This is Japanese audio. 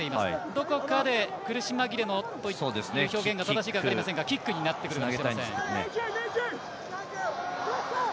どこかで苦し紛れのという表現が正しいか分かりませんがキックにつなげたいですね。